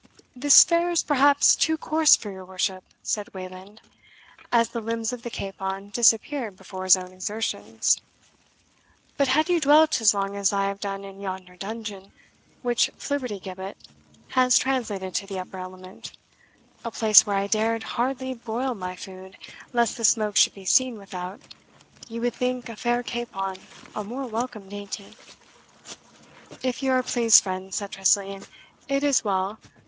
"This fare is perhaps too coarse for your worship," said Wayland, as the limbs of the capon disappeared before his own exertions; "but had you dwelt as long as I have done in yonder dungeon, which Flibbertigibbet has translated to the upper element, a place where I dared hardly broil my food, lest the smoke should be seen without, you would think a fair capon a more welcome dainty." "If you are pleased, friend," said Tressilian, "it is well.